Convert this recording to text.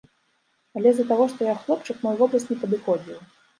Але з-за таго, што я хлопчык, мой вобраз не падыходзіў.